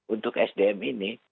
untuk sdm ini